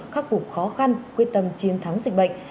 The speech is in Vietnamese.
khắc phục khó khăn quyết tâm chiến thắng dịch bệnh